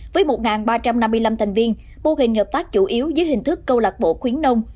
với một ba trăm năm mươi năm thành viên mô hình hợp tác chủ yếu dưới hình thức câu lạc bộ khuyến nông